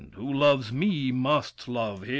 Who loves me must Love him!